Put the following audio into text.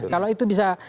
kalau itu bisa